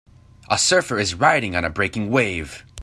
A surfer is riding on a breaking wave.